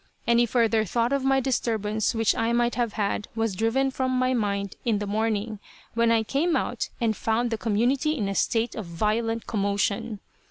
Any further thought of my disturbance which I might have had was driven from my mind in the morning, when I came out and found the community in a state of violent commotion.